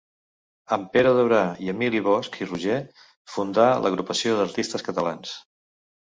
Amb Pere Daura i Emili Bosch i Roger fundà l'Agrupació d'Artistes Catalans.